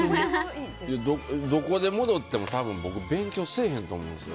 どこに戻っても僕勉強せえへんと思うんですよ。